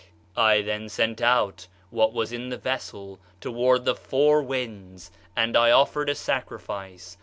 "'I then sent out (what was in the vessel) toward the four winds, and I offered a sacrifice.